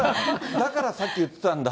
だから、さっき言ってたんだ。